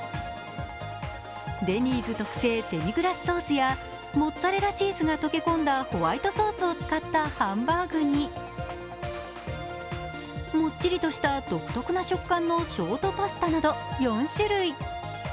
デニーズ特性デミグラスソースやモッツァレラチーズが溶け込んだホワイトソースを使ったハンバーグにもっちりとした独特な食感のショートパスタなど４種類。